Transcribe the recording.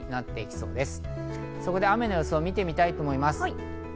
そこで雨の予想を見ていきたいと思います。